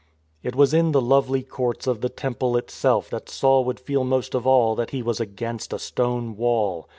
It was in the lovely courts of the Temple itself that Saul would feel most of all that he was against a stone wall.